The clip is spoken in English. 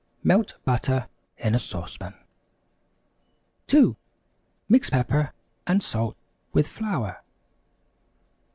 Melt butter in a sauce pan. 2. Mix pepper and salt with flour.